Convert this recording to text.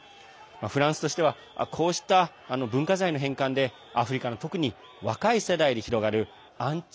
フランスとしてはこうした文化財の返還でアフリカの特に若い世代で広がるアンチ